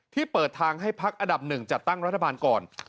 ที่เปิดทางให้ภาคอัดับ๑จัดตั้งรัฐบาลก่อน